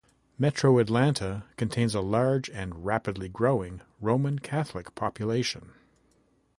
Metro Atlanta contains a large, and rapidly growing, Roman Catholic population.